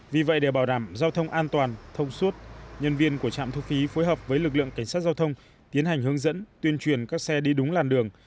vì vậy để bảo đảm giao thông an toàn thông suốt nhân viên của trạm thu phí phối hợp với lực lượng cảnh sát giao thông tiến hành hướng dẫn tuyên truyền các xe đi đúng làn đường